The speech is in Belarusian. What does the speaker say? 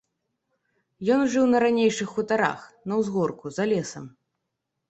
Ён жыў на ранейшых хутарах, на ўзгорку, за лесам.